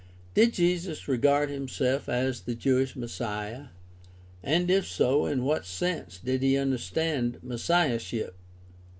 Did Jesus regard himself as the Jewish Messiah, and if so in what sense did he understand messiahship